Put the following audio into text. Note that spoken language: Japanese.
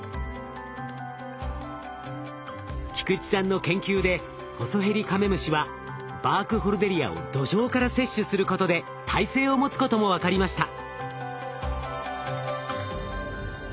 菊池さんの研究でホソヘリカメムシはバークホルデリアを土壌から摂取することで耐性を持つことも分かりました。